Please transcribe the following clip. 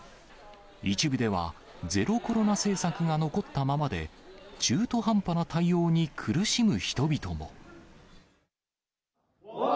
一部では、ゼロコロナ政策が残ったままで、中途半端な対応に苦しむ人々も。